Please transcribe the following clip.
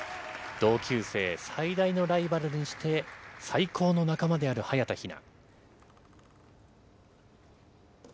同級生、最大のライバルにして最高の仲間である早田ひな。